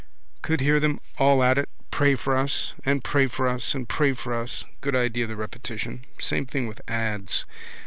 Could hear them all at it. Pray for us. And pray for us. And pray for us. Good idea the repetition. Same thing with ads.